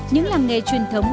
những làm nghề truyền thống